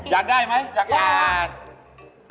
อยากได้ไหมอยากได้ไหม